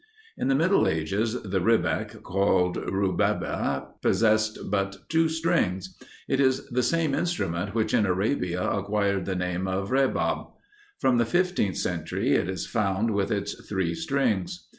In the middle ages, the Rebec, called Rubebbe, possessed but two strings. It is the same instrument which in Arabia acquired the name of Rebab. From the fifteenth century it is found with its three strings.